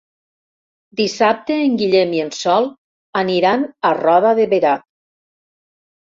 Dissabte en Guillem i en Sol aniran a Roda de Berà.